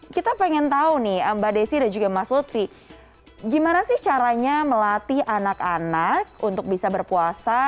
kita pengen tahu nih mbak desi dan juga mas lutfi gimana sih caranya melatih anak anak untuk bisa berpuasa